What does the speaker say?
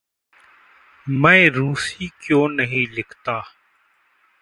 मैं रूसी में क्यों नहीं लिखता?